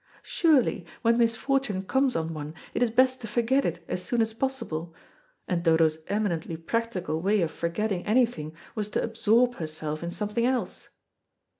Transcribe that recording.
Surely, when misfortune comes on one, it is best to forget it as soon as possible, and Dodo's eminently practical way of forgetting anything was to absorb herself in something else.